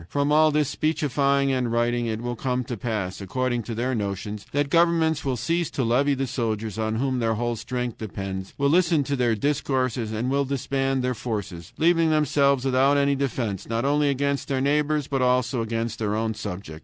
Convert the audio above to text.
From all this speechifying and writing it will come to pass, according to their notions, that governments will cease to levy the soldiers, on whom their whole strength depends, will listen to their discourses, and will disband their forces, leaving themselves without any defense, not only against their neighbors, but also against their own subjects.